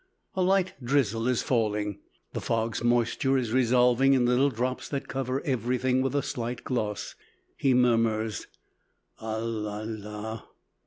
A light drizzle is falling. The fog's moisture is resolving in little drops that cover everything with a slight gloss. He murmurs, "Ah, la, la!"